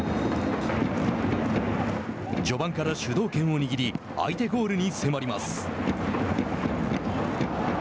序盤から主導権を握り相手ゴールに迫ります。